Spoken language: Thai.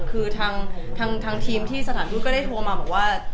คือทางทีมที่สถานทูตก็ได้โทรมาบอกว่า